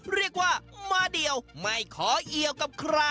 เรียกว่ามาเดียวไม่ขอเอี่ยวกับใคร